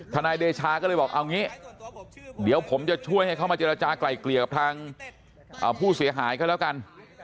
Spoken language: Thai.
นายเดชาก็เลยบอกเอางี้เดี๋ยวผมจะช่วยให้เขามาเจรจากลายเกลี่ยกับทางผู้เสียหายก็แล้วกัน